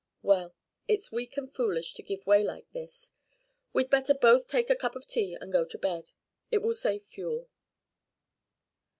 Well, it's weak and foolish to give way like this. We'd better both take a cup of tea and go to bed. It will save fuel."